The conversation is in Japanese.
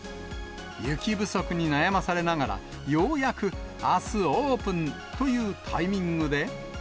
雪不足に悩まされながら、ようやくあす、オープンというタイミングで。